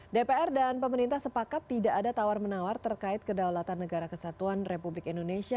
dpr dan pemerintah sepakat tidak ada tawar menawar terkait kedaulatan negara kesatuan republik indonesia